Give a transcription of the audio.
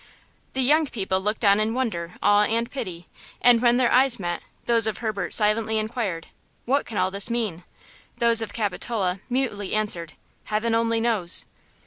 The young people looked on in wonder, awe and pity; and then their eyes met–those of Herbert silently inquired: "What can all this mean?" Those of Capitola mutely answered: "Heaven only knows!"